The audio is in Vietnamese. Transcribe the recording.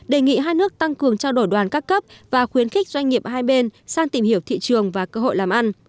đề nghị hai nước tăng cường trao đổi đoàn các cấp và khuyến khích doanh nghiệp hai bên sang tìm hiểu thị trường và cơ hội làm ăn